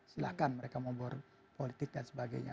silahkan mereka ngobrol politik dan sebagainya